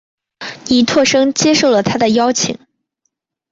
倪柝声接受了他的邀请。